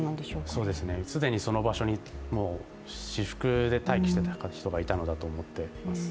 そうですね、既にその場所に、私服で待機していた人がいたのだと思っています。